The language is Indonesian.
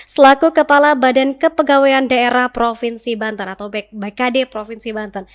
selaku kepala badan kepegawaian daerah provinsi banten atau bkd provinsi banten